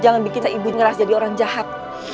jangan bikin ibu ngeras jadi orang jahat